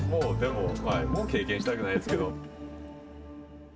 もう経験したくないですけど。